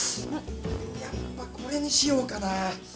やっぱこれにしようかな。